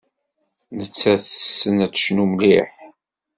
Nettat tessen ad tecnu mliḥ.